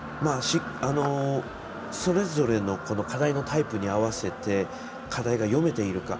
それぞれの課題のタイプに合わせて課題が読めているか。